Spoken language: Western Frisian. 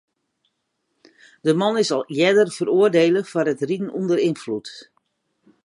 De man is al earder feroardiele foar it riden ûnder ynfloed.